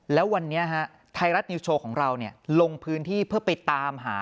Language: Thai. แล้ววันนี้ไทยรัฐนิวโชว์ของเราลงพื้นที่เพื่อไปตามหา